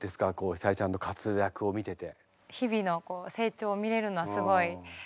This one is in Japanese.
晃ちゃんの活躍を見てて。